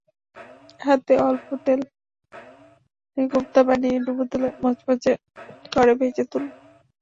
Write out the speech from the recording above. হাতে অল্প তেল নিয়ে কোফতা বানিয়ে ডুবোতেলে মচমচে করে ভেজে তুলুন।